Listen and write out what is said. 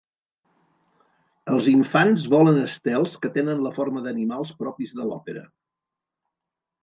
Els infants volen estels que tenen la forma d'animals propis de l'òpera.